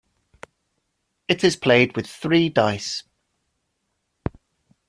It is played with three dice.